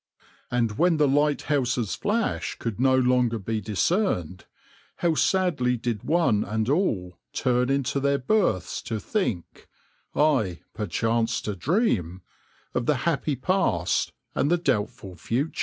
And when the lighthouses' flash could no longer be discerned, how sadly did one and all turn into their berths to think ay, 'perchance to dream' of the happy past and the doubtful future.